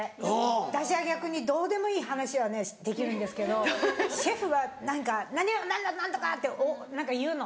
私は逆にどうでもいい話はねできるんですけどシェフが何か「何とか何とか」って何か言うの。